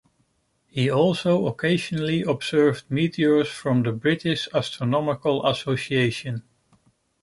He also occasionally observed meteors for the British Astronomical Association.